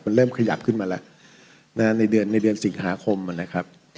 มันเริ่มขยับขึ้นมาแล้วในเดือนในเดือนสิงหาคมนะครับ